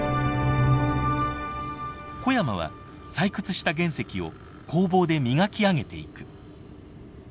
小山は採掘した原石を工房で磨き上げていく。